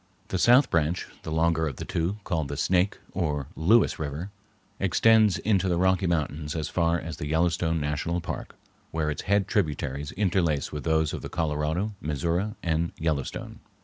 The south branch, the longer of the two, called the Snake, or Lewis, River, extends into the Rocky Mountains as far as the Yellowstone National Park, where its head tributaries interlace with those of the Colorado, Missouri, and Yellowstone.